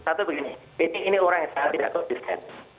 satu begini ini orang yang sangat tidak kotor baik baiknya